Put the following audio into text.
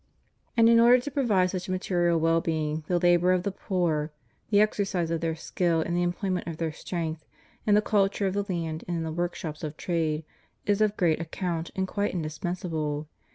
^ And in order to provide such material well being, the labor of the poor — the exercise of their skill, and the employment of their strength, in the culture of the land and in the workshops of trade — ^is of great account and quite indispensable.